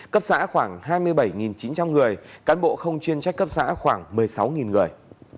cấp xã khoảng hai mươi bảy chín trăm linh người cán bộ không chuyên trách cấp xã khoảng một mươi sáu người